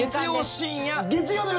月曜の夜？！